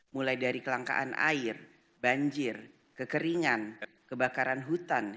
mulai dari kelangkaan air banjir kekeringan kebakaran hutan